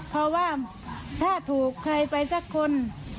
เพราะว่าถ้าถูกใครไปสักคน